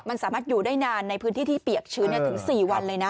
มันสามารถอยู่ได้นานในพื้นที่ที่เปียกชื้นถึง๔วันเลยนะ